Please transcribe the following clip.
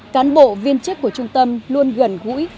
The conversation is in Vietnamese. cán bộ viên chức của trung tâm luôn gần gũi